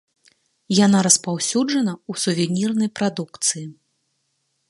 Яна распаўсюджана ў сувенірнай прадукцыі.